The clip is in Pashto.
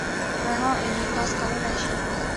رڼا انعکاس کولی شي.